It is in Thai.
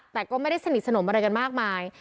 แต่ก็ไม่ได้สนิทสนมอะไรกันมากมาย